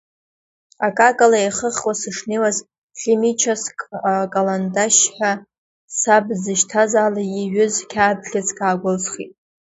Акакала еихыхуа сышнеиуаз, хьимичаск каландашь ҳәа саб дзышьҭаз ала иҩыз қьаад бӷьыцк аагәылсхит.